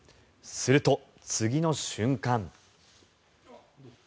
すると、次の瞬間。